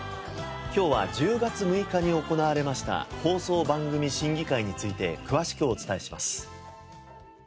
今日は１０月６日に行われました放送番組審議会について詳しくお伝えします。